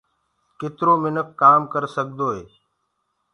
ڪِترو مِنک ڪآم ڪرسدوئي